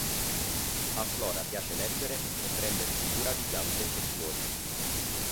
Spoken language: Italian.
A Flora piace leggere e prendersi cura di piante e fiori.